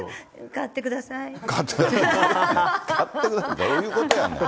買ってくださいって、どういうことやねん。